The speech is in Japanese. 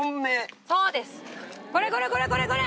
これこれこれこれ！